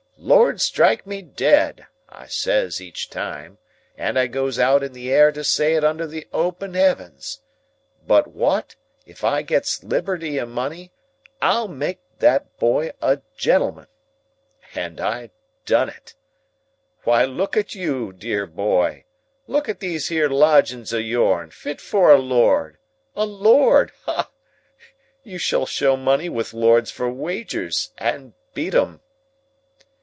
'Lord strike me dead!' I says each time,—and I goes out in the air to say it under the open heavens,—'but wot, if I gets liberty and money, I'll make that boy a gentleman!' And I done it. Why, look at you, dear boy! Look at these here lodgings of yourn, fit for a lord! A lord? Ah! You shall show money with lords for wagers, and beat 'em!"